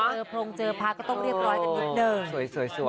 เจอพรงเจอพระก็ต้องเรียบร้อยกันนิดเดิม